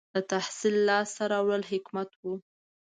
• د تحصیل لاسته راوړل حکمت و.